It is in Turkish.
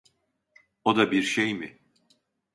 O da bir şey mi?